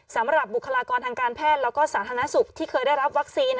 สำหรับบุคลากรทางการแพทย์แล้วก็สาธารณสุขที่เคยได้รับวัคซีน